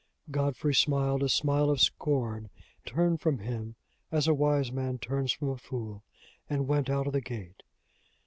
Godfrey smiled a smile of scorn, turned from him as a wise man turns from a fool, and went out of the gate.